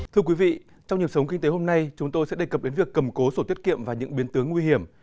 thưa quý vị trong nhiệm sống kinh tế hôm nay chúng tôi sẽ đề cập đến việc cầm cố sổ tiết kiệm và những biến tướng nguy hiểm